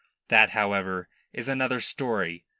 That, however, is another story.